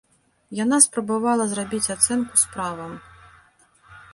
Яна спрабавала зрабіць ацэнку справам.